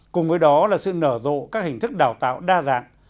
cùng với đó là sự nở rộ các hình thức đào tạo đa dạng